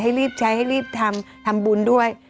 รีบใช้ให้รีบทำทำบุญด้วย